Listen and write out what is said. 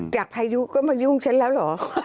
พายุก็มายุ่งฉันแล้วเหรอ